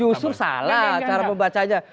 justru salah cara membacanya